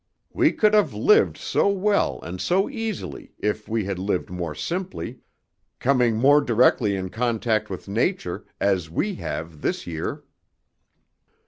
We could have lived so well and so easily, if we had lived more simply, coming more directly in contact with nature, as we have this year."